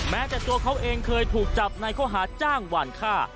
แม้แต่ตัวเขาเองเคยถูกจับในข้อหาจ้างหวานฆ่า